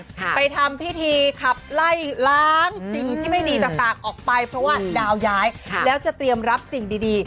ไปทำพิธีขับไล่ล้างสิ่งที่ไม่ดีต่างต่างออกไปเพราะว่าดาวย้ายแล้วจะเตรียมรับสิ่งดีดี